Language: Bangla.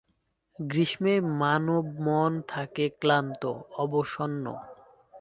গ্রীষ্মে মানবমন থাকে ক্লান্ত, অবসন্ন।